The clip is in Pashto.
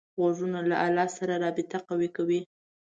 غوږونه له الله سره رابطه قوي کوي